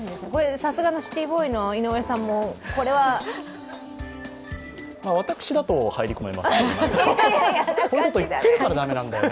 さすがのシティーボーイの井上さんもこれは私だと入り込めますね。